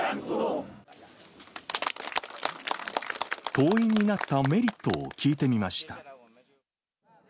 党員になったメリットを聞いてみました。